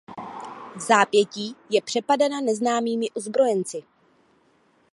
Vzápětí je přepadena neznámými ozbrojenci.